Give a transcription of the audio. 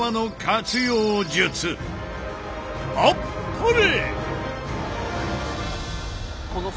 あっぱれ！